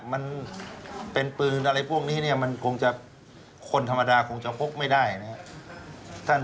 มันเป็นปืนอะไรพวกนี้เนี่ยมันคงจะคนธรรมดาคงจะพกไม่ได้นะครับ